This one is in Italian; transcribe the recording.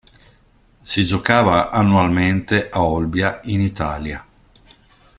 Si giocava annualmente a Olbia in Italia.